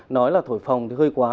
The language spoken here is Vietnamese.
nói là thổi phòng thì hơi quá